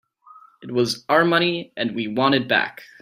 It was our money and we want it back.